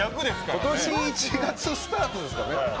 今年１月スタートですからね。